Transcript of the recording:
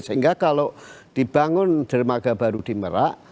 sehingga kalau dibangun dermaga baru di merak